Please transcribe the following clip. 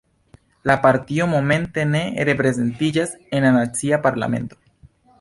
La partio momente ne reprezentiĝas en la nacia parlamento.